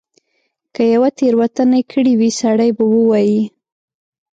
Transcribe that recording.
که یوه تیره وتنه کړې وي سړی به ووایي.